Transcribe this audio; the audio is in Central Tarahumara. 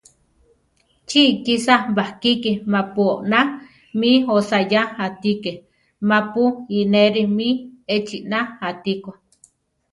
Chi kisá bakíki mapu oná mi osayá atíke, mapu ínere mí echina atikó.